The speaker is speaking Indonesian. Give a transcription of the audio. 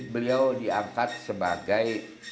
beliau diangkat sebagai